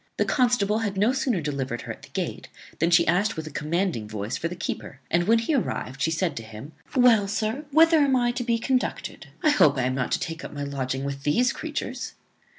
The constable had no sooner delivered her at the gate than she asked with a commanding voice for the keeper; and, when he arrived, she said to him, "Well, sir, whither am I to be conducted? I hope I am not to take up my lodging with these creatures."